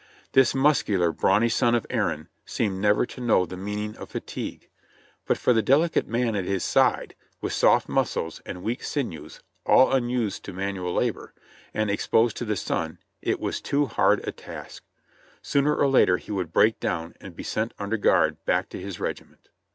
This muscular, brawny son of Erin seemed never to know the mean ing of fatigue, but for the deHcate man at his side, with soft muscles and weak sinews all unused to manual labor, and ex posed to the sun, it was too hard a task ; sooner or later he would break down and be sent under guard back to his regiment.